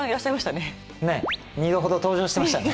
ねっ２度ほど登場してましたね。